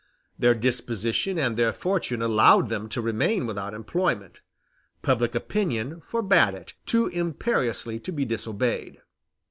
Their disposition and their fortune allowed them to remain without employment; public opinion forbade it, too imperiously to be disobeyed.